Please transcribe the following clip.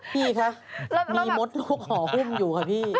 พี่คะมีมดลูกห่อหุ้มอยู่ค่ะพี่